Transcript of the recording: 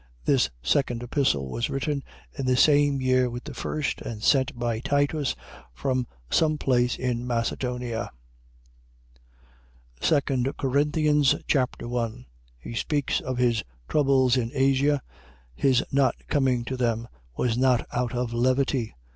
This second Epistle was written in the same year with the first and sent by Titus from some place in Macedonia. 2 Corinthians Chapter 1 He speaks of his troubles in Asia. His not coming to them was not out of levity.